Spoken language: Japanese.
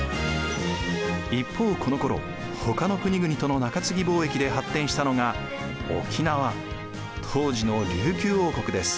一方このころほかの国々との中継貿易で発展したのが沖縄当時の琉球王国です。